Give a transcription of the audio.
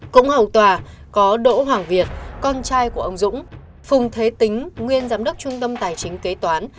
cũng hầu tòa có đỗ hoàng việt con trai của ông dũng phùng thế tính nguyên giám đốc trung tâm tài chính kế toán